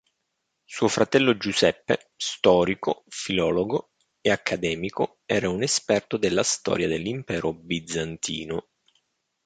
Suo fratello Giuseppe, storico, filologo e accademico, era un esperto della storia dell'Impero bizantino.